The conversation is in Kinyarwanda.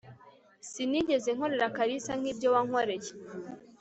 sinigeze nkorera kalisa nk'ibyo wankoreye